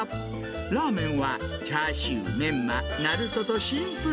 ラーメンはチャーシュー、メンマ、なるととシンプル。